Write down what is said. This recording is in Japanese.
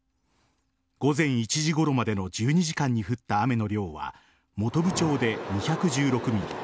午後１時ごろまでの１２時間に降った雨の量は本部町で２１６ｍｍ